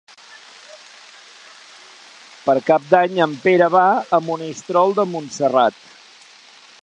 Per Cap d'Any en Pere va a Monistrol de Montserrat.